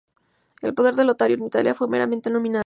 El poder de Lotario en Italia fue meramente nominal.